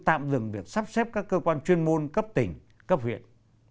tạm dừng việc sắp xếp các cơ quan chuyên môn cấp tỉnh cấp huyện